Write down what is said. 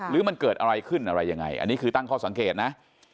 หรือมันเกิดอะไรขึ้นอะไรยังไงอันนี้คือตั้งข้อสังเกตนะ